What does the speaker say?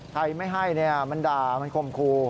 ใครไม่ให้มันด่ามันข่มครู